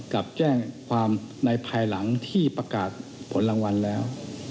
กับแจ้งความในภายหลังที่ประกาศผลรางวัลแล้ว